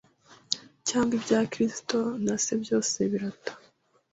cyangwa ibya Kristo na Se, byose birata